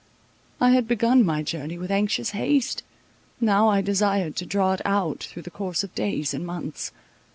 I had begun my journey with anxious haste; now I desired to draw it out through the course of days and months.